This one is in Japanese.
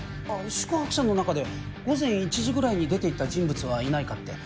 宿泊者の中で午前１時ぐらいに出て行った人物はいないかって。